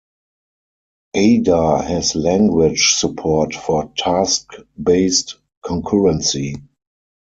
Ada has language support for task-based concurrency.